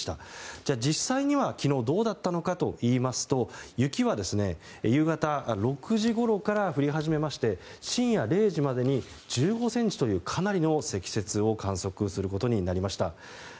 じゃあ、実際には昨日どうだったのかといいますと雪は夕方６時ごろから降り始めまして深夜０時までに１５ｃｍというかなりの積雪を観測することになりました。